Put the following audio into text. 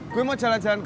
gua mau jalan jalan